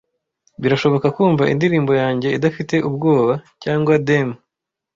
Birashoboka kumva indirimbo yanjye idafite ubwoba, cyangwa deem